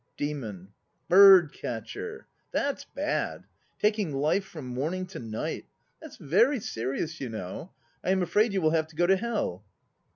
DEMON. Bird catcher? That's bad. Taking life from morning to night. That's very serious, you know. I am afraid you will have to go to Hell.